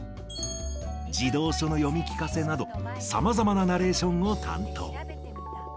児童書の読み聞かせなど、さまざまなナレーションを担当。